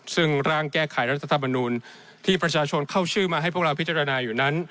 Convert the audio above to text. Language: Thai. ซึ่งร่างแก้ไขรัฐธรรมนูลที่ประชาชนเข้าชื่อมาให้พวกเราพิจารณาอยู่นั้น